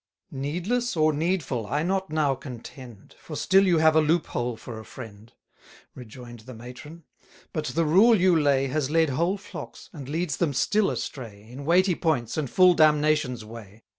Needless, or needful, I not now contend, For still you have a loop hole for a friend; Rejoin'd the matron: but the rule you lay Has led whole flocks, and leads them still astray, In weighty points, and full damnation's way.